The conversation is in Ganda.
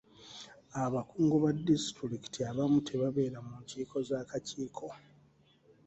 Abakungu ba disitulikiti abamu tebabeera mu nkiiko z'akakiiko.